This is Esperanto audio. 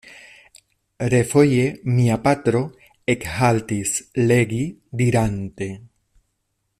Refoje mia patro ekhaltis legi, dirante: